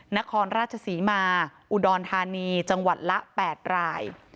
นครราชศรีมาอุดรธานีจังหวัดละ๘ราย